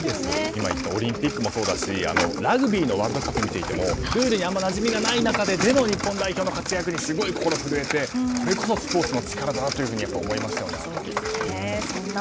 今言ったオリンピックもそうだしラグビーのワールドカップを見ていてもルールにあまりなじみがない中ででも日本代表の活躍にすごい心震えてこれこそスポーツの力だなって思いましたよね、あの時。